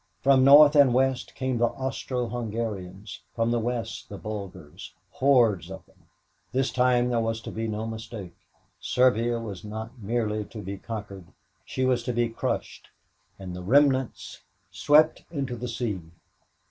From north and west came the Austro Hungarians from the west the Bulgars hordes of them. This time there was to be no mistake. Serbia was not merely to be conquered; she was to be crushed, and the remnants swept into the sea.